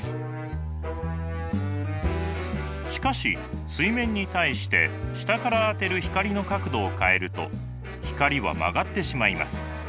しかし水面に対して下から当てる光の角度を変えると光は曲がってしまいます。